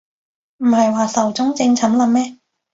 唔係話壽終正寢喇咩